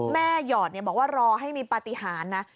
แม่หยอดเนี่ยบอกว่ารอให้มีปฏิหารนะ